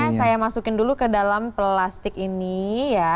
nah saya masukin dulu ke dalam plastik ini ya